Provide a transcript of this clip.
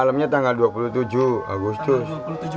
malamnya tanggal dua puluh tujuh agustus